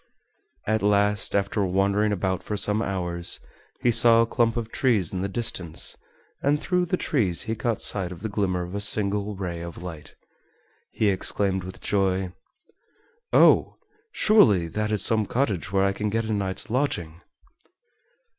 At last, after wandering about for some hours, he saw a clump of trees in the distance, and through the trees he caught sight of the glimmer of a single ray of light. He exclaimed with joy: "Oh. surely that is some cottage where I can get a night's lodging!"